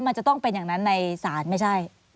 มันจะต้องเป็นอย่างนั้นในศาลไม่ใช่